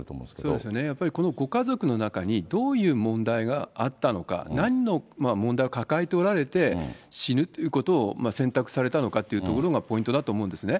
そうですよね、やっぱりこのご家族の中にどういう問題があったのか、なんの問題を抱えておられて、死ぬということを選択されたのかっていうところがポイントだと思うんですね。